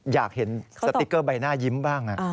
อยากเห็นสติ๊กเกอร์ใบหน้ายิ้มบ้าง